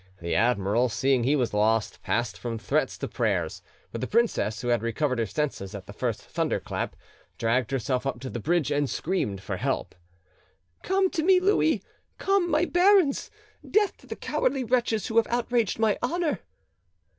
The admiral, seeing he was lost, passed from threats to prayers. But the princess, who had recovered her senses at the first thunder clap, dragged herself up to the bridge and screamed for help, "Come to me, Louis! Come, my barons! Death to the cowardly wretches who have outraged my honour!"